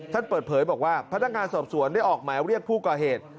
เปิดเผยบอกว่าพนักงานสอบสวนได้ออกหมายเรียกผู้ก่อเหตุ